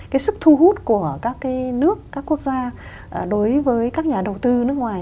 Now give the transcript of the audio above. cái sức thu hút của các cái nước các quốc gia đối với các nhà đầu tư nước ngoài